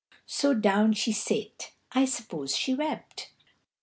So down she sate; I suppose she wept.